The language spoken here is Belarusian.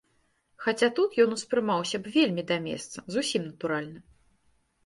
Хаця тут ён успрымаўся б вельмі да месца, зусім натуральна.